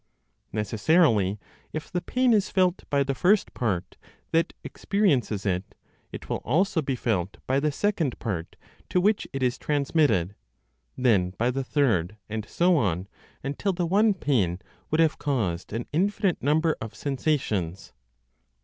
Necessarily, if the pain is felt by the first part that experiences it, it will also be felt by the second part to which it is transmitted; then by the third, and so on, until the one pain would have caused an infinite number of sensations.